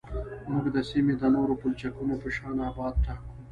موږ د سیمې د نورو پلچکونو په شان ابعاد ټاکو